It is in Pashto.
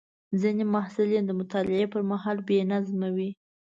ځینې محصلین د مطالعې پر مهال بې نظم وي.